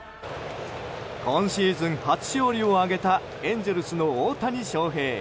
今シーズン初勝利を挙げたエンゼルスの大谷翔平。